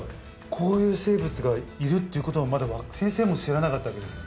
こういう生物がいるっていうことは先生も知らなかったわけですね。